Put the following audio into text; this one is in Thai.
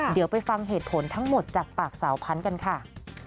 เดี๋ยวไปฟังเหตุผลทั้งหมดจากปากสาวพันธุ์กันค่ะ